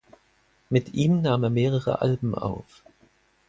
Mit ihm nahm er mehrere Alben auf.